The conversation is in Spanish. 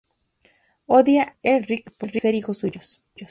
Odia a los Elric por ser hijos suyos.